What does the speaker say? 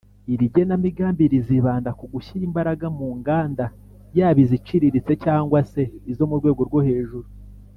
Iri genamigambi rizibanda ku gushyira imbaraga mu nganda yaba iziciriritse cyangwa se izo mu rwego rwo hejuru